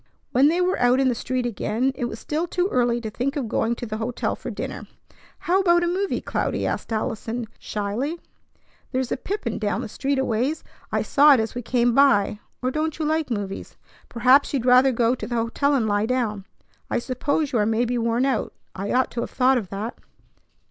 When they were out in the street again, it was still too early to think of going to the hotel for dinner. "How about a movie, Cloudy?" asked Allison shyly. "There's a pippin down the street a ways. I saw it as we came by. Or don't you like movies? Perhaps you'd rather go to the hotel and lie down. I suppose you are maybe worn out. I ought to have thought of that."